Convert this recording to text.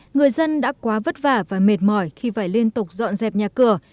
người dân đã quá vất vả và mệt mỏi khi phải liên tục dọn dẹp nhà cửa